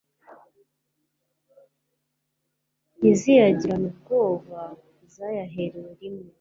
Ntiziyagirane ubwoba Zayaherewe rimwe